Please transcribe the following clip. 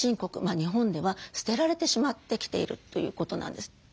日本では捨てられてしまってきているということなんです。